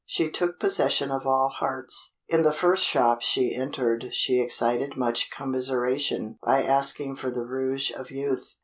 She took possession of all hearts. In the first shops she entered she excited much commiseration by asking for the Rouge of Youth.